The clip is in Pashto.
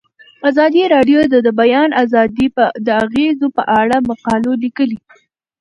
ازادي راډیو د د بیان آزادي د اغیزو په اړه مقالو لیکلي.